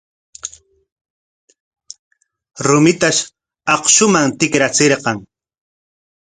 Rumitash akshuman tikrachirqan.